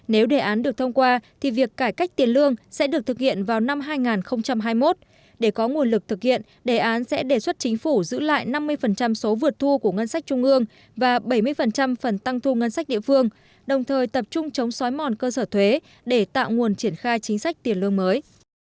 nếu đề án được thông qua thì việc cải cách tiền lương sẽ được thực hiện vào năm hai nghìn hai mươi một để có nguồn lực thực hiện đề án sẽ đề xuất chính phủ giữ lại năm mươi số vượt thu của ngân sách trung ương và bảy mươi phần tăng thu ngân sách địa phương đồng thời tập trung chống xói mòn cơ sở thuế để tạo nguồn triển khai chính sách tiền lương mới